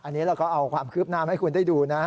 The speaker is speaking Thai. อันนี้เราก็เอาความคืบหน้ามาให้คุณได้ดูนะ